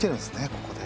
ここで。